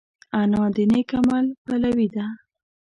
انا د نېک عمل پلوي ده